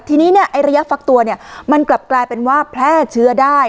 ทีนี้ระยะฟักตัวมันกลับกลายเป็นว่าแพร่เชื้อได้